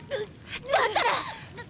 だったら！